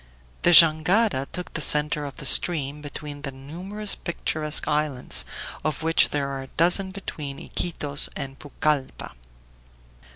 The jangada took the center of the stream between the numerous picturesque islands, of which there are a dozen between Iquitos and Pucalppa.